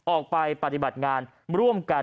ออกไปปฏิบัติงานร่วมกัน